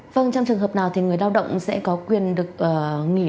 vâng trong trường hợp nào thì người lao động sẽ có quyền được tổ chức chống dịch này